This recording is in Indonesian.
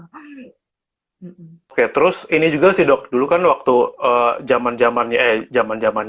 oke terus ini juga sih dok dulu kan waktu zaman zaman